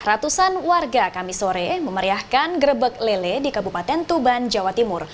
ratusan warga kami sore memeriahkan grebek lele di kabupaten tuban jawa timur